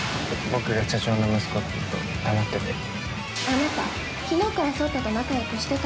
僕が社長の息子ってこと黙ってて。